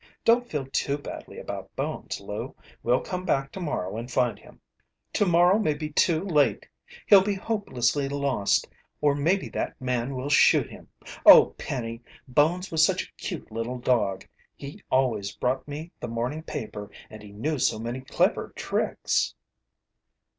Don't feel too badly about Bones, Lou. We'll come back tomorrow and find him." "Tomorrow may be too late. He'll be hopelessly lost, or maybe that man will shoot him! Oh, Penny, Bones was such a cute little dog. He always brought me the morning paper, and he knew so many clever tricks."